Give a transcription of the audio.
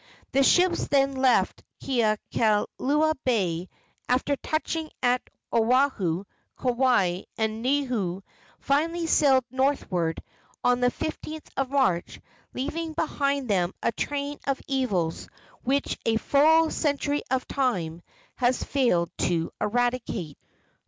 The ships then left Kealakeakua Bay, and after touching at Oahu, Kauai and Niihau, finally sailed northward on the 15th of March, leaving behind them a train of evils which a full century of time has failed to eradicate.